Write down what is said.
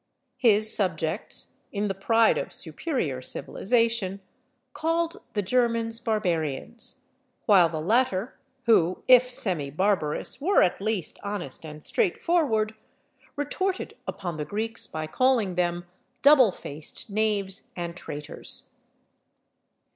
His subjects, in the pride of superior civilisation, called the Germans barbarians; while the latter, who, if semi barbarous, were at least honest and straightforward, retorted upon the Greeks by calling them double faced knaves and traitors.